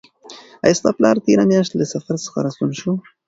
آیا ستا پلار تېره میاشت له سفر څخه راستون شو؟